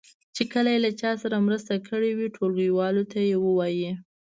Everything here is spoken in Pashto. چې کله یې له چا سره مرسته کړې وي ټولګیوالو ته یې ووایي.